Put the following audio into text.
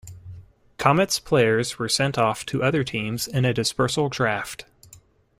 Comets players were sent off to other teams in a dispersal draft.